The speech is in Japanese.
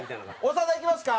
長田いきますか？